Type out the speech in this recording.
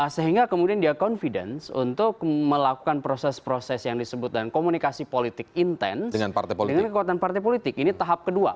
sehingga kemudian dia confidence untuk melakukan proses proses yang disebut dengan komunikasi politik intens dengan kekuatan partai politik ini tahap kedua